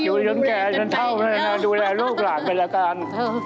อยู่ยนต์แก่เช่นเท่าดูแลลูกหลากก็ละกัน